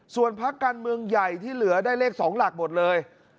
ส่วนพักการเมืองใหญ่ที่เหลือได้เลข๒หลักหมดเลย